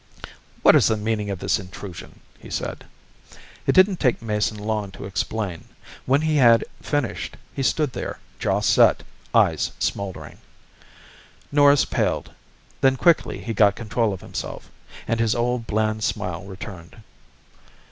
"What is the meaning of this intrusion?" he said. It didn't take Mason long to explain. When he had finished, he stood there, jaw set, eyes smouldering. Norris paled. Then quickly he got control of himself, and his old bland smile returned.